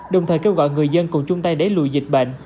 đồng thời kêu gọi người dân cùng chung tay đẩy lùi dịch bệnh